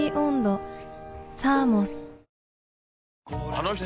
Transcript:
あの人